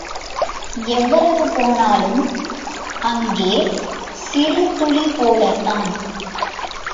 எவ்வளவு போனாலும், அங்கே சிறுதுளிபோலத்தான்!